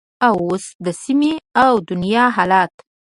او هم د سیمې او دنیا حالت